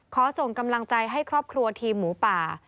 ขอส่งกำลังใจให้ครอบครัวทีมหมูป่า